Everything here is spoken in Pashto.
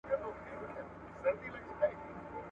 مسخره هغه ده، چي ولگېږي، يا و نه لگېږي.